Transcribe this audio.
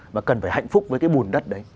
và cần phải hạnh phúc với cái bùn đất đấy